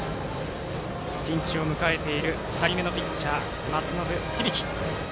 ピンチを迎えている２人目のピッチャー松延響。